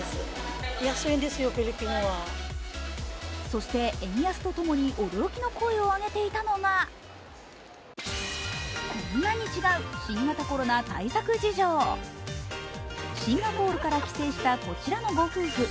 そして、円安と共に驚きの声を上げていたのがシンガポールから帰省したこちらのご夫婦。